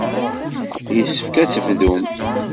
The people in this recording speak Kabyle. Yessefk ad tebdum.